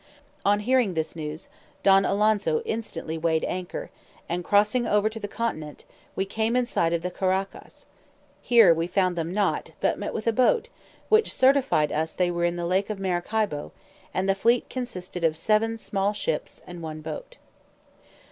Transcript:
On this news, Don Alonso instantly weighed anchor, and, crossing over to the continent, we came in sight of the Caraccas: here we found them not, but met with a boat, which certified us they were in the lake of Maracaibo, and that the fleet consisted of seven small ships, and one boat.